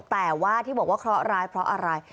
แต่ว่าที่บอกว่าเคราะห์ร้ายเพราะอะไร